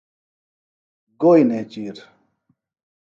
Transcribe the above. گوئیۡ نیچِیر